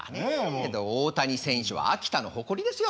大谷選手は秋田の誇りですよ。